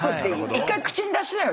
１回口に出しなよ。